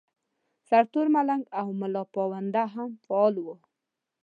سرتور ملنګ او ملاپوونده هم فعال وو.